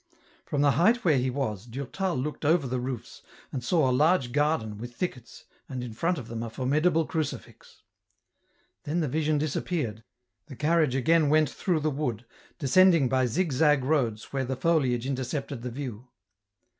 From the height where he was, Durtal looked over the roofs, and saw a large garden, with thickets, and in front of them a formidable crucifix. Then the vision disappeared, the carriage again went through the wood, descending by zig zag roads where the foliage intercepted the view.